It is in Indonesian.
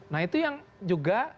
nah itu yang juga